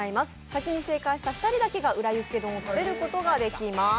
先に正解した２人だけが裏ユッケ丼を食べることができます。